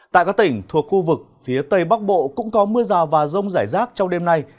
tại các tỉnh thuộc khu vực phía tây bắc bộ cũng có mưa rào và rông rải rác trong đêm nay